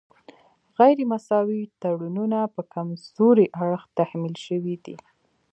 غیر مساوي تړونونه په کمزوري اړخ تحمیل شوي دي